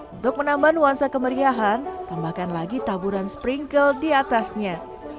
untuk menambah nuansa kemeriahan tambahkan lagi taburan sprinkle di atasnya